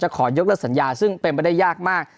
จะขอยกรับสัญญาซึ่งเป็นไม่ได้ยากมาก